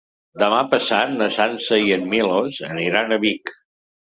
Demà passat na Sança i en Milos aniran a Vic.